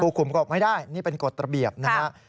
ภูมิเขาก็ออกไม่ได้นี่เเป็นกฎตระเบียบนะฮะ